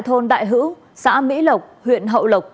thôn đại hữu xã mỹ lộc huyện hậu lộc